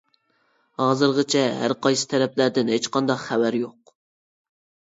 ھازىرغىچە ھەر قايسى تەرەپلەردىن ھېچقانداق خەۋەر يوق.